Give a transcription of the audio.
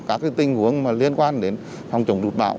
các tình huống liên quan đến phòng chống lụt bão